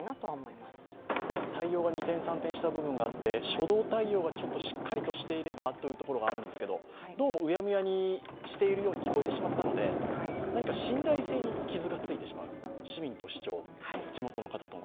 まさに対応が二転三転した部分があって、初動対応がちょっとしっかりとしていればというところがあるんですけどどうも、うやむやにしているように聞こえてしまったので、何か信頼性に傷がついてしまう、市民と市長、地元の方との。